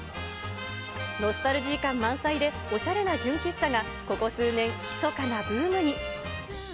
ノスタルジー感満載で、おしゃれな純喫茶がここ数年、ひそかなブームに。